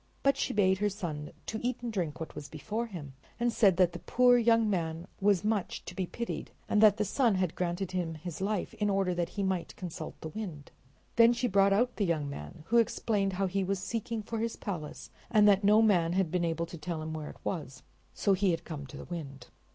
But she bade her son eat and drink what was before him, and said that the poor young man was much to be pitied, and that the sun had granted him his life in order that he might consult the Wind. Then she brought out the young man, who explained how he was seeking for his palace, and that no man had been able to tell him where it was, so he had come to the Wind.